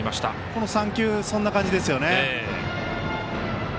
この３球そんな感じですよね。